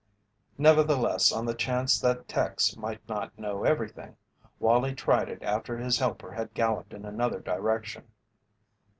Nevertheless, on the chance that "Tex" might not know everything, Wallie tried it after his helper had galloped in another direction.